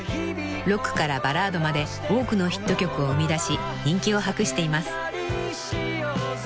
［ロックからバラードまで多くのヒット曲を生み出し人気を博しています］